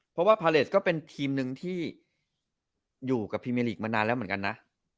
เพราะว่าพาเลสก็เป็นทีมหนึ่งที่อยู่กับพรีเมลีกมานานแล้วเหมือนกันนะ